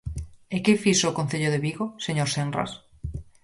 ¿E que fixo o Concello de Vigo, señor Senras?